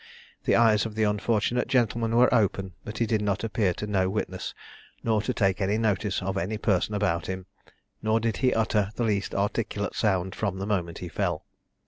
The eyes of the unfortunate gentleman were open, but he did not appear to know witness, nor to take any notice of any person about him, nor did he utter the least articulate sound from the moment he fell.